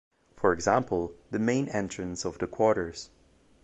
For example, the main entrance of the quarters.